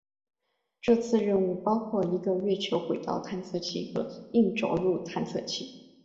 这次任务包括一个月球轨道探测器和硬着陆探测器。